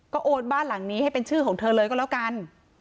ก็โอนบ้านหลังนี้ให้เป็นชื่อของเธอเลยก็แล้วกัน